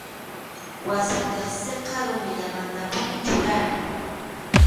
Wasi tiqsiqa rumillamantapunim churana.